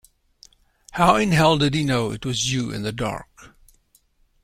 How in hell did he know it was you in the dark.